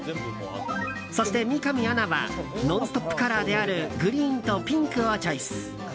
そして、三上アナは「ノンストップ！」カラーであるグリーンとピンクをチョイス。